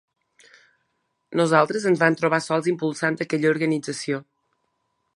Nosaltres ens vam trobar sols impulsant aquella organització.